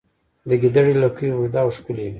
د ګیدړې لکۍ اوږده او ښکلې وي